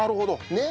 ねっ。